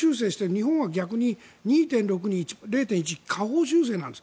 日本は逆に０．１％下方修正なんです。